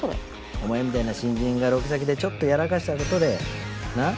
お前みたいな新人がロケ先でちょっとやらかした事でなあ